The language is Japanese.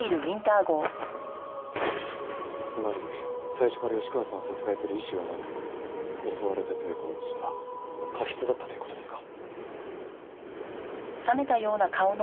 つまり最初から吉川さんを殺害する意思はなく襲われて抵抗した過失だったという事ですか？